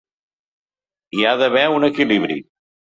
Hi ha d’haver un equilibri.